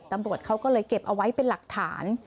ตำรวจเขาก็เลยเก็บเอาไว้เป็นหลักฐาน